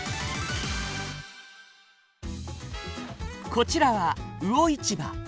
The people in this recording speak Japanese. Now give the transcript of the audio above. こちらは魚市場。